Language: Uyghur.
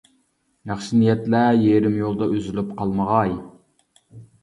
ياخشى نىيەتلەر يېرىم يولدا ئۈزۈلۈپ قالمىغاي!